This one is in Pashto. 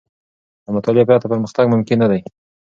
له مطالعې پرته، پرمختګ ممکن نه دی.